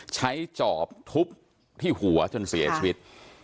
จอบทุบที่หัวจนเสียชีวิต